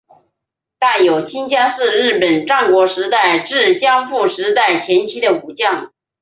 大友亲家是日本战国时代至江户时代前期的武将。